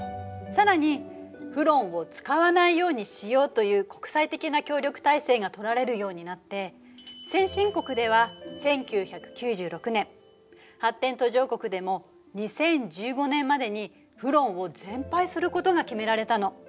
さらにフロンを使わないようにしようという国際的な協力体制が取られるようになって先進国では１９９６年発展途上国でも２０１５年までにフロンを全廃することが決められたの。